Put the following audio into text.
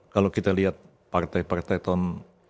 kalau kita lihat partai partai tahun seribu sembilan ratus lima puluh lima